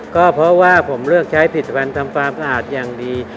ก็เพราะว่าผมเลือกใช้ผลิตภัณฑ์ทำความสะอาดอย่างดี